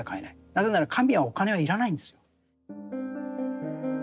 なぜなら神はお金は要らないんですよ。